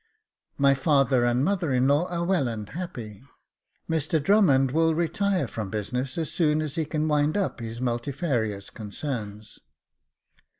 My father and mother in law are well and happy. Mr Drummond will retire from business as soon as he can wind up his multifarious concerns.